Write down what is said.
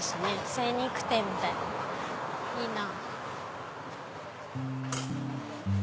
精肉店みたいないいな。